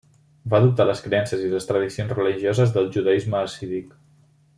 Va adoptar les creences i les tradicions religioses del judaisme hassídic.